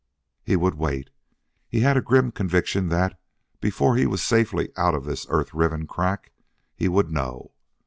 He would wait. He had a grim conviction that before he was safely out of this earth riven crack he would know.